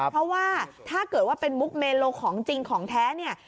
เพราะว่าถ้าเกิดว่าเป็นมุกเมโลของจริงของแท้เนี่ย